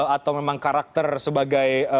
atau memang karakter sebagai